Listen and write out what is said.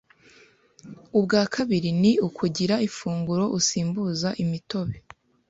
ubwakabiri ni ukugira ifunguro usimbuza imitobe